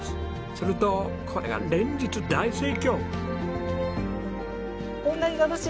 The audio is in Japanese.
するとこれが連日大盛況！